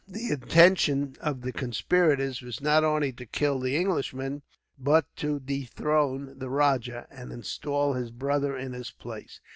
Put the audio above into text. The intention of the conspirators was not only to kill the Englishman, but to dethrone the rajah, and install his brother in his place.